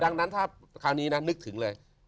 ดังนั้นถ้าคราวนี้นะนึกถึงเลย